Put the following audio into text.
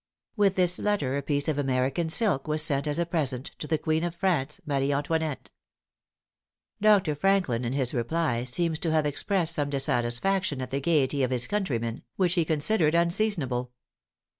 With this letter a piece of American silk was sent as a present to the queen of France, Marie Antoinette. Dr. Franklin in his reply seems to have expressed some dissatisfaction at the gaiety of his countrymen, which he considered unseasonable.